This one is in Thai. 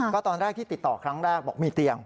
ก็ตอนแรกที่ติดต่อครั้งแรกบอกมีเตียง